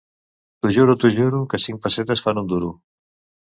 T'ho juro, t'ho juro, que cinc pessetes fan un duro.